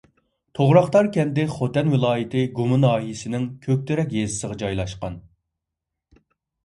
توغراقتار كەنتى خوتەن ۋىلايىتى گۇما ناھىيەسىنىڭ كۆكتېرەك يېزىسىغا جايلاشقان.